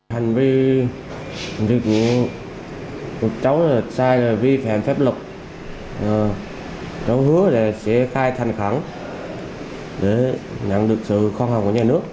hành vi được nhận của cháu là sai là vi phạm phép lục cháu hứa là sẽ khai thanh khẳng để nhận được sự khoan hồng của nhà nước